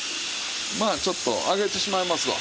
まあちょっと上げてしまいますわ。